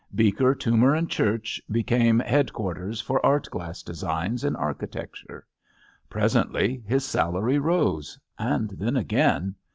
Beeker, Toomer & Church became headquar ters for art glass designs in architecture. Pres ently his salary rose. And then again.